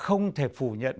không thể phủ nhận